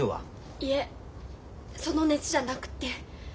いえその熱じゃなくて。